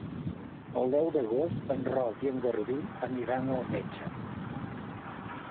El deu d'agost en Roc i en Garbí aniran al metge.